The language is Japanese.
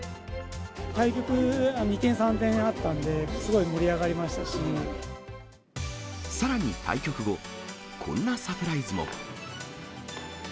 対局、二転三転あったんで、さらに対局後、こんなサプライズも。